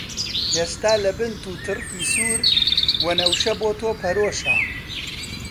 ئێستا لە بن «توتڕکی» سوور، وەنەوشە بۆ تۆ پەرۆشە!